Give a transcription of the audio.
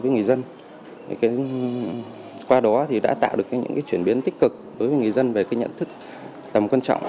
với người dân qua đó đã tạo được những chuyển biến tích cực đối với người dân về nhận thức tầm quan trọng